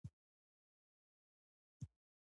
واده یې هېڅکله ترسره نه شو